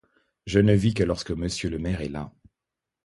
Je ne vis que lorsque monsieur le maire est là.